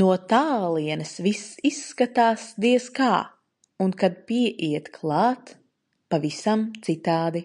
No tālienes viss izskatās, diez kā, un kad pieiet klāt - pavisam citādi.